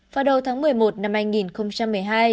vào đầu tháng một mươi một năm hai nghìn một mươi hai